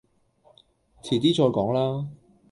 遲啲再講啦